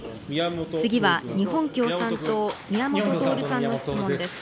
次は日本共産党、宮本徹さんの質問です。